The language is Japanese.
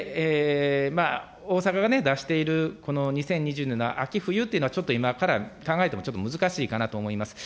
大阪が出しているこの２０２０年の秋、冬というのは、ちょっと今から考えても、ちょっと難しいかなと思います。